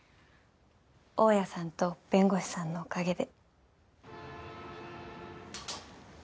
大家さんと弁護士さんのおかげで。